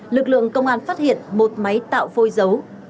lực lượng công an phát hiện một máy tạo phôi dấu